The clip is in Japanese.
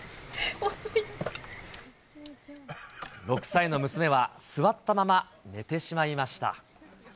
６歳の娘は、座ったまま寝てしまいました。